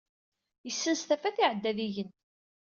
Yessens tafat, iɛedda ad igen.